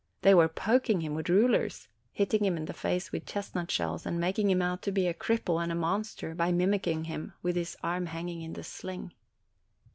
12 OCTOBER They were poking him with rulers, hitting him in the face with chestnut shells, and making him out to be a cripple and a monster, by mimicking him, with his arm hanging in the sling.